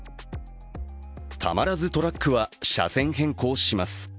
たまらずトラックは車線変更します。